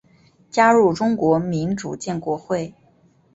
加入中国民主建国会。